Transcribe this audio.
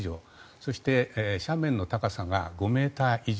そして、斜面の高さが５ｍ以上。